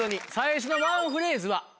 最初の。